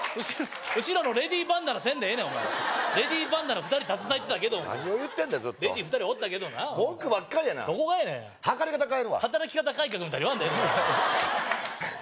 後ろのレディーバンダナせんでええねんお前レディーバンダナ２人携えてたけど何を言ってんねんずっとレディー２人おったけどな文句ばっかりやなどこがやねん測り方変えるわ働き方改革みたいに言わんでええ